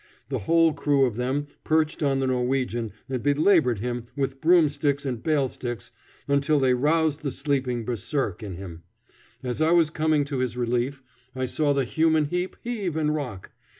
The whole crew of them perched on the Norwegian and belabored him with broomsticks and bale sticks until they roused the sleeping Berserk in him. As I was coming to his relief, I saw the human heap heave and rock.